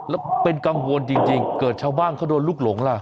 แล้วเป็นกังวลจริงเกิดชาวบ้านเขาโดนลูกหลงล่ะ